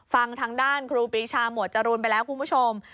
ฟังทางด้านครูปรีชาหมวดจรูนไปแล้วคุณผู้ชม